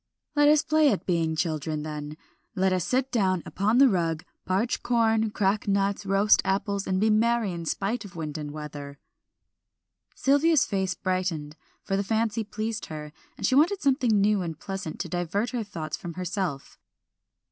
"Let us play at being children, then. Let us sit down upon the rug, parch corn, crack nuts, roast apples, and be merry in spite of wind or weather." Sylvia's face brightened, for the fancy pleased her, and she wanted something new and pleasant to divert her thoughts from herself.